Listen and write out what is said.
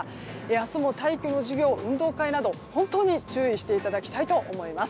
明日も体育の授業運動会などに本当に注意していただきたいと思います。